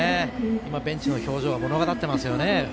今、ベンチの表情が物語っていますよね。